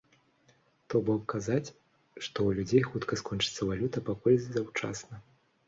То бок, казаць, што ў людзей хутка скончыцца валюта, пакуль заўчасна.